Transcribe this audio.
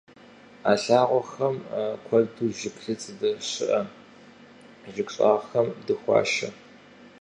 А лъагъуэхэм куэду жыглыц здэщыӏэ жыг щӀагъхэм дыхуашэ.